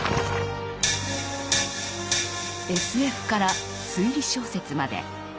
ＳＦから推理小説まで。